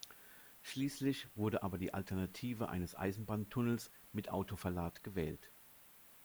Schliesslich wurde aber die Alternative eines Eisenbahntunnels mit Autoverlad gewählt.